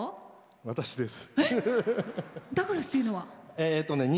私です。